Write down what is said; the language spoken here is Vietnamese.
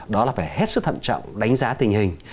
đó là phải hết sức thận trọng đánh giá tình hình